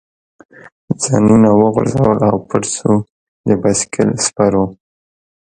ځانونه وغورځول او پټ شو، د بایسکل سپرو.